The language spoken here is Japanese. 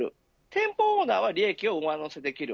店舗オーナーは利益を上乗せできる。